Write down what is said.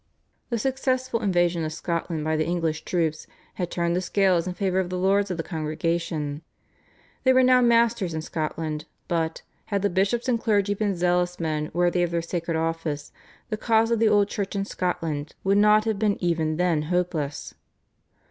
The successful invasion of Scotland by the English troops had turned the scales in favour of the lords of the Congregation. They were now masters in Scotland, but, had the bishops and clergy been zealous men worthy of their sacred office, the cause of the old Church in Scotland would not have been even then hopeless.